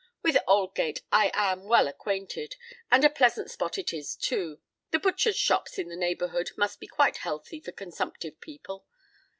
With Aldgate I am well acquainted; and a pleasant spot it is, too. The butchers' shops in the neighbourhood must be quite healthy for consumptive people.